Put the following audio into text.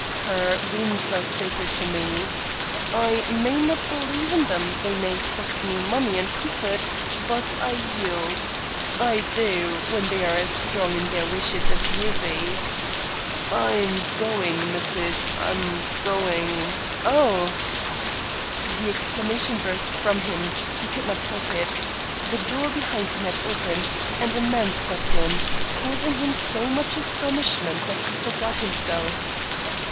Her whims are sacred to me. I may not believe in them; they may cost me money and comfort; but I yield, I do, when they are as strong in their wishes as you be. I'm going, missus I'm going Oh!" The exclamation burst from him. He could not help it. The door behind him had opened, and a man stepped in, causing him so much astonishment that he forgot himself.